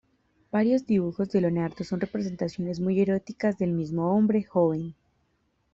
Varios dibujos de Leonardo son representaciones muy eróticas del mismo hombre joven.